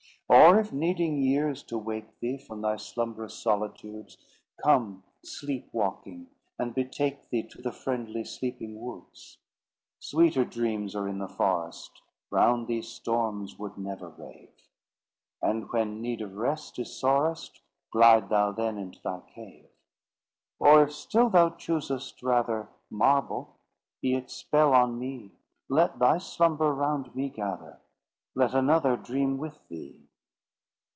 "Or, if needing years to wake thee From thy slumbrous solitudes, Come, sleep walking, and betake thee To the friendly, sleeping woods. Sweeter dreams are in the forest, Round thee storms would never rave; And when need of rest is sorest, Glide thou then into thy cave. "Or, if still thou choosest rather Marble, be its spell on me; Let thy slumber round me gather, Let another dream with thee!"